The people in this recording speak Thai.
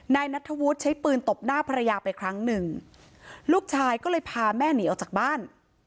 นัทธวุฒิใช้ปืนตบหน้าภรรยาไปครั้งหนึ่งลูกชายก็เลยพาแม่หนีออกจากบ้าน